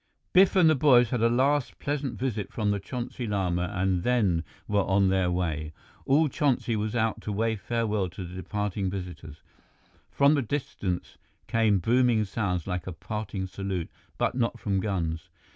Biff and the boys had a last pleasant visit with the Chonsi Lama and then were on their way. All Chonsi was out to wave farewell to the departing visitors. From the distance came booming sounds like a parting salute, but not from guns.